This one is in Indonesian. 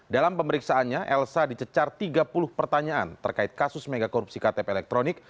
dalam pemeriksaannya elsa dicecar tiga puluh pertanyaan terkait kasus megakorupsi ktp elektronik